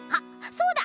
そうだ。